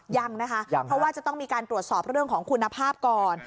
ยังนะคะเพราะว่าจะต้องมีการตรวจสอบเรื่องของคุณภาพก่อน